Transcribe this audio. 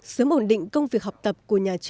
sớm ổn định công việc học